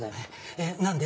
えっ何で？